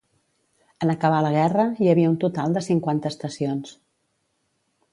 En acabar la guerra, hi havia un total de cinquanta estacions.